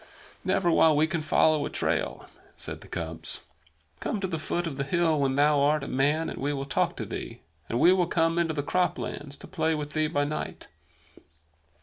"Never while we can follow a trail," said the cubs. "Come to the foot of the hill when thou art a man, and we will talk to thee; and we will come into the croplands to play with thee by night."